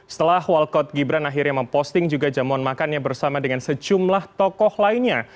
setelah walkot gibran akhirnya memposting juga jamuan makannya bersama dengan sejumlah tokoh lainnya